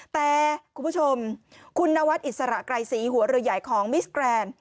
แต่คุณผู้ชมคุณนวัดอิสระไกรศรีหัวเรือใหญ่ของมิสแกรนด์